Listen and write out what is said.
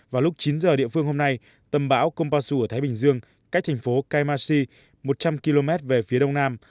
vào lúc chín giờ địa phương hôm nay tầm bão kompassu ở thái bình dương cách thành phố kaimachi một trăm linh km về phía đông nam